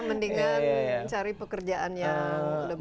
mendingan cari pekerjaan yang lebih